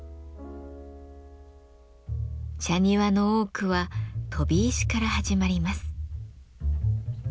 茶庭の多くは「飛び石」から始まります。